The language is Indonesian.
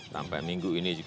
sampai minggu ini juga